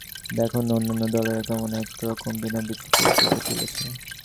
দেখ না অন্যান্য দলেরা কেমন এক রকম বিনা ভিত্তিতেই গড়ে তুলেছে।